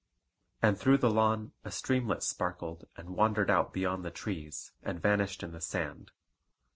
And through the lawn a streamlet sparkled and wandered out beyond the trees, and vanished in the sand.